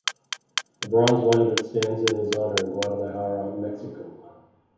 A bronze monument stands in his honor in Guadalajara, Mexico.